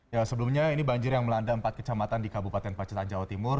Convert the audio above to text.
ya sebelumnya ini banjir yang melanda empat kecamatan di kabupaten pacitan jawa timur